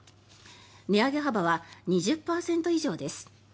値上げ幅は２０％以上です。